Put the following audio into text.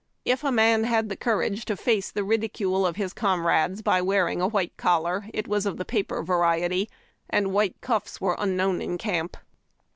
If a man had the courage to face the ridicule of his comrades by wearing a white collar, it was of the paper variety, and white cuffs were unknown in camp.